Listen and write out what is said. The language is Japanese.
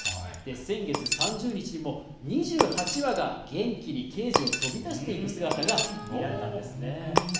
先月３０日にも２８羽が元気にケージを飛び出していく姿が見られたんですね。